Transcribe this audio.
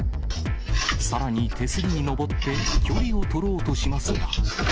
さらに手すりに上って距離を取ろうとしますが。